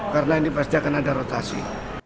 karena ini pasti akan ada rotasi